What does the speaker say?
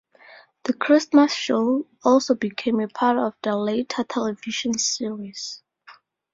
The Christmas show also became a part of the later television series.